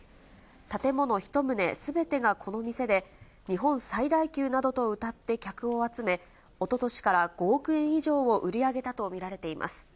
建物１棟すべてがこの店で、日本最大級などとうたって客を集め、おととしから５億円以上を売り上げたと見られています。